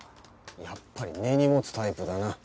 やっぱり根に持つタイプだな。